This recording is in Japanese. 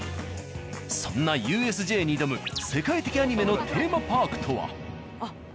そんなＵＳＪに挑む世界的アニメのテーマパークとは。